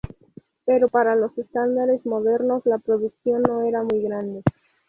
Pero para los estándares modernos, la producción no era muy grande.